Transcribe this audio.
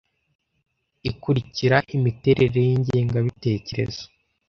ikurikira Imiterere y ingengabitekerezo